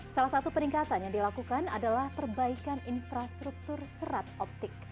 salah satu peningkatan yang dilakukan adalah perbaikan infrastruktur serat optik